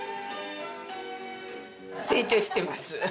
成長してます。